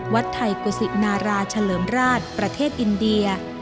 วัดไทยกุศินาราเฉลิมราชประเทศอินเดีย